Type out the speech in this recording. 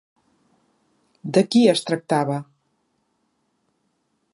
De qui es tractava?